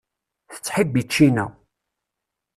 Tettḥibbi ččina.